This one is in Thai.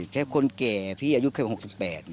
แค่คนแก่พี่อายุแค่๖๘